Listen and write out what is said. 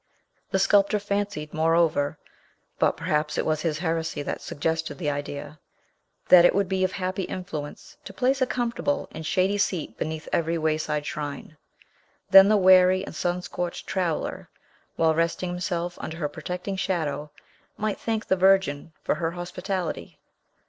The sculptor fancied, moreover (but perhaps it was his heresy that suggested the idea), that it would be of happy influence to place a comfortable and shady seat beneath every wayside shrine. Then the weary and sun scorched traveller, while resting himself under her protecting shadow, might thank the Virgin for her hospitality.